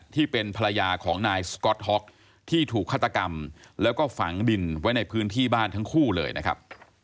ที่เป็นภรรยาของนายสก๊อตฮ็อกที่ถูกฆาตกรรมแล้วก็ฝังดินไว้ในพื้นที่บ้านทั้งคู่เลยนะครับ